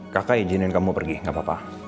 kakak izinin kamu pergi gak apa apa